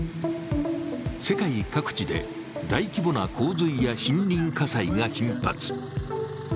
世界各地で大規模な洪水や森林火災が頻発。